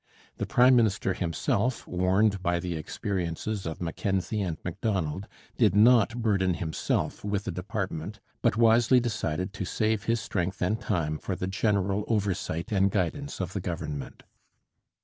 The prime minister himself, warned by the experiences of Mackenzie and Macdonald, did not burden himself with a department, but wisely decided to save his strength and time for the general oversight and guidance of the Government.